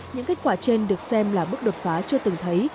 những kết quả trên được xem là bước đột phá chưa từng thấy